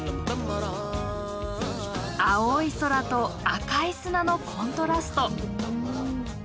青い空と赤い砂のコントラスト。